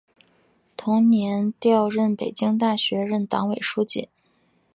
同年调任北京大学任党委书记。